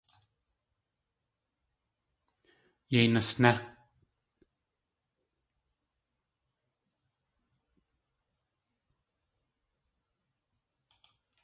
Yéi nasné!